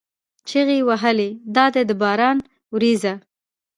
چیغې یې وهلې: دا ده د باران ورېځه!